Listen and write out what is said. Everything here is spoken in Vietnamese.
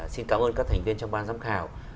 xin cảm ơn các thành viên trong ban giám khảo